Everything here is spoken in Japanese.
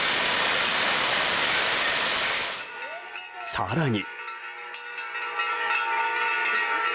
更に。